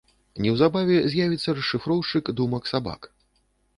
Неўзабаве з'явіцца расшыфроўшчык думак сабак.